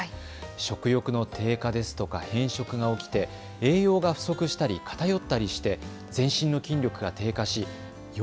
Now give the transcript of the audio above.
食欲の低下ですとか偏食が起きて栄養が不足したり偏ったりして全身の筋力が低下し要